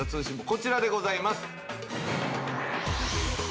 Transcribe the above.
こちらでございます。